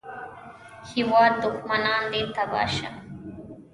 هېواده دوښمنان دې تباه شه